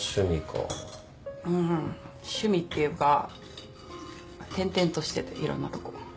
うん趣味っていうか転々としてていろんなとこ。